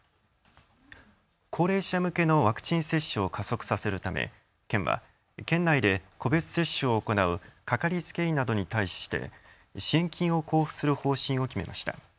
高齢者向けのワクチン接種を加速させるため県は県内で個別接種を行う掛かりつけ医などに対して支援金を交付する方針を決めました。